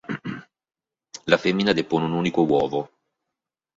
La femmina depone un unico uovo.